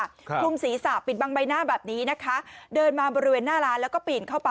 คลุมศีรษะปิดบังใบหน้าแบบนี้นะคะเดินมาบริเวณหน้าร้านแล้วก็ปีนเข้าไป